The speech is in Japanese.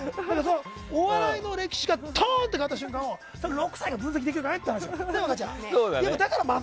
お笑いの歴史がドーンってなった瞬間を６歳が分析できるかねって話なのよ。